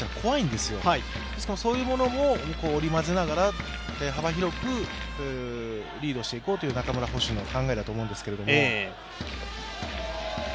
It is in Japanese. ですから、そういうものも織りまぜながら幅広くリードしていこうという中村捕手の考えだと思うんですけど。